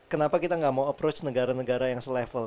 kenapa kita nggak mau approach negara negara yang selevel